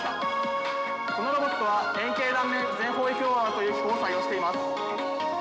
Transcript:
このロボットは円形断面全方位クローラーという機構を採用しています。